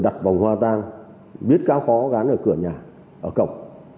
đặt vòng hoa tang viết cao khó gắn ở cửa nhà ở cổng